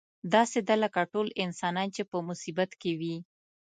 داسې ده لکه ټول انسانان چې په مصیبت کې وي.